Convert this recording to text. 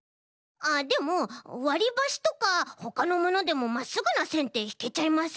あっでもわりばしとかほかのものでもまっすぐなせんってひけちゃいません？